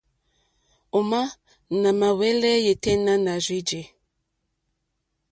Òmá nà mà hwɛ́lɛ́ yêténá à rzí jè.